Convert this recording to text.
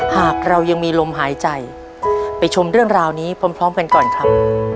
หากเรายังมีลมหายใจไปชมเรื่องราวนี้พร้อมกันก่อนครับ